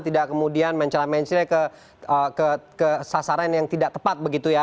tidak kemudian mencela mencela ke sasaran yang tidak tepat